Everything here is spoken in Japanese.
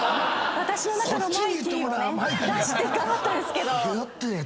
私の中のマイキーをね出して頑張ったんですけど。